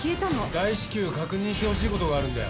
大至急確認してほしい事があるんだよ。